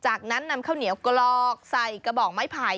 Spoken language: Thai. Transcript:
จากนั้นนำข้าวเหนียวกรอกใส่กระบอกไม้ไผ่